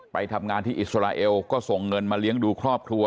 ไปทำงานที่อิสราเอลก็ส่งเงินมาเลี้ยงดูครอบครัว